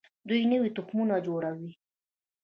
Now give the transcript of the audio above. دوی نوي تخمونه جوړوي.